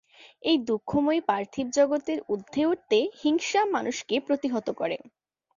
এই দুঃখময় পার্থিব জগতের ঊর্ধ্বে উঠতে হিংসা মানুষকে প্রতিহত করে।